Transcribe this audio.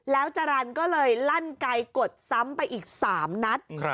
แล้วจรรย์ก็เลยลั่นไกลกดซ้ำไปอีก๓นัด